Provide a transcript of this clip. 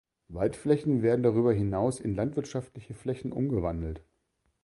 Waldflächen werden darüber hinaus in landwirtschaftliche Flächen umgewandelt.